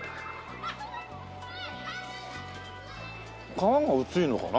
皮が薄いのかな？